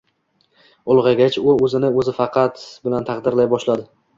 Ulg‘aygach, u o‘zini o‘zi ovqat bilan “taqdirlay” boshlaydi.